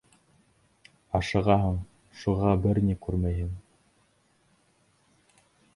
Ашығаһың, шуға бер ни күрмәйһең.